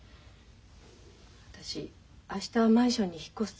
私明日マンションに引っ越すつもりです。